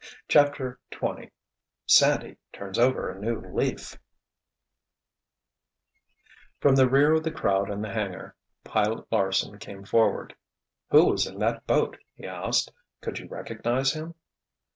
CHAPTER XX SANDY TURNS OVER A NEW LEAF From the rear of the crowd in the hangar, Pilot Larsen came forward. "Who was in that boat?" he asked. "Could you recognize him?"